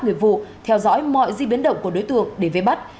nghiệp vụ theo dõi mọi di biến động của đối tượng để về bắt